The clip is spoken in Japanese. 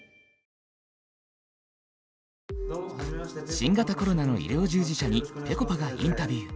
新型コロナの医療従事者にぺこぱがインタビュー。